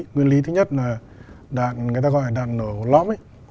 nguyên lý thứ nhất là đạn người ta gọi là đạn nổ lõm